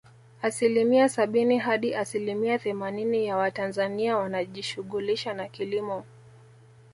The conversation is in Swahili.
Asilimia sabini hadi asilimia themanini ya watanzania wanajishughulisha na kilimo